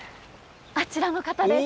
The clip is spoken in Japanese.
あちらの方です。